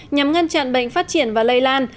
nhằm ngăn chặn bệnh phát triển và lây lan